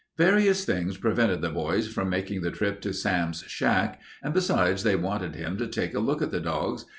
Various things prevented the boys from making the trip to Sam's shack, and besides they wanted him to take a look at the dogs.